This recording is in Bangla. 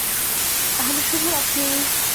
তাহলে শুভ রাত্রি।